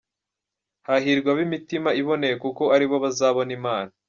Hahirwa ab’imitima iboneye kuko aribo bazabona Imana.